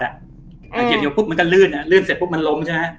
เหยียบนิ้วปุ๊บมันก็ลื่นลื่นเสร็จปุ๊บมันล้ม